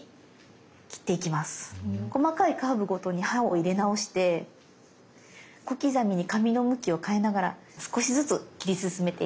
細かいカーブごとに刃を入れ直して小刻みに紙の向きを変えながら少しずつ切り進めていって下さい。